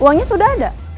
uangnya sudah ada